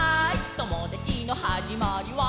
ともだちのはじまりは」